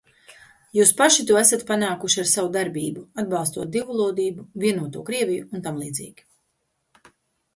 "Jūs paši to esat panākuši ar savu darbību, atbalstot divvalodību, "Vienoto Krieviju" un tamlīdzīgi."